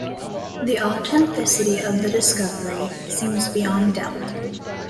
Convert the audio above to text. The authenticity of the discovery seems beyond doubt.